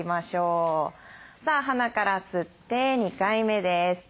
さあ鼻から吸って２回目です。